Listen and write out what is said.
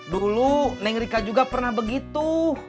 dulu neng rika juga pernah begitu